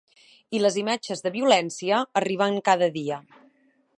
I les imatges de violència arriben cada dia.